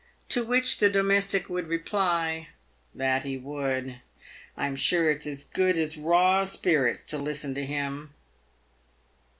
To which the domestic would reply, " That he would. I'm sure it's as good as raw spirits to listen to him."